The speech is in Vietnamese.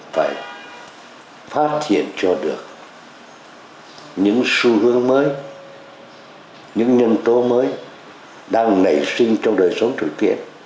phải phát triển cho được những xu hướng mới những nhân tố mới đang nảy sinh trong đời sống thực tiễn